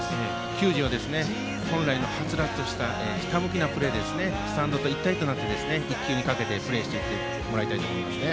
球児は本来のはつらつとしたひたむきなプレースタンドと一体になって１球にかけてプレーしていってもらいたいですね。